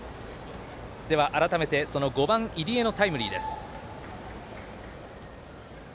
改めて、５番、入江のタイムリーです。